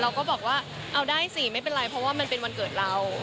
เราก็บอกว่าเอาได้สิไม่เป็นไรเพราะว่ามันเป็นวันเกิดเรา